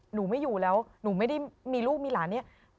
หนูไม่อยู่แล้วหนูไม่ได้มีลูกมีหลานเนี่ย